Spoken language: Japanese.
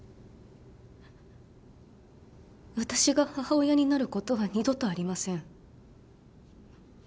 私が母親になることは二度とありません。